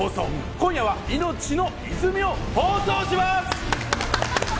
今夜は『生命の泉』を放送しまーす。